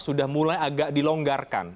sudah mulai agak dilonggarkan